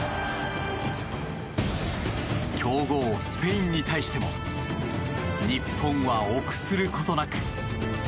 強豪スペインに対しても日本は臆することなく。